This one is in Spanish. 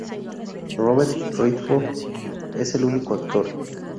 Robert Redford es el único actor.